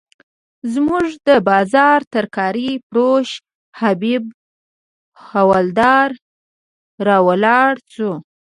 زموږ د بازار ترکاري فروش حبیب حوالدار راولاړ شو.